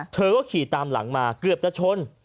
เธอก็ขี่ตามหลังมาเกือบจะชน